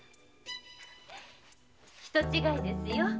人違いですよ。